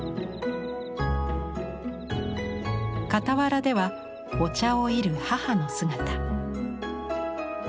傍らではお茶をいる母の姿。